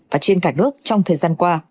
và trên cả nước trong thời gian qua